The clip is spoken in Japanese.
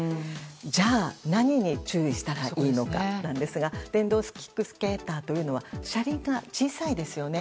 じゃあ、何に注意したらいいのかなんですが電動キックスケーターというのは車輪が小さいですよね。